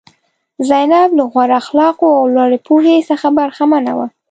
زینب له غوره اخلاقو او لوړې پوهې څخه برخمنه وه.